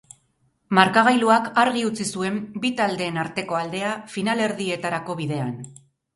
Markagailuak argi utzi zuen bi taldeen arteko aldea, finalerdietarako bidean.